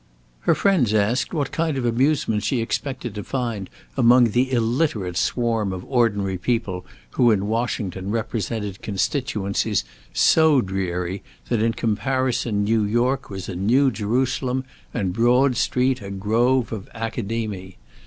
Her friends asked what kind of amusement she expected to find among the illiterate swarm of ordinary people who in Washington represented constituencies so dreary that in comparison New York was a New Jerusalem, and Broad Street a grove of Academe.